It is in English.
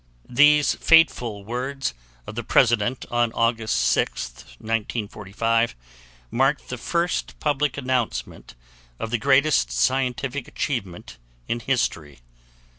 These fateful words of the President on August 6th, 1945, marked the first public announcement of the greatest scientific achievement in history.